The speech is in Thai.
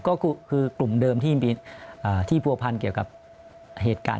ก็คือกลุ่มเดิมที่ผัวพันเกี่ยวกับเหตุการณ์